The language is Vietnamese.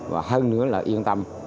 và hơn nữa là yên tâm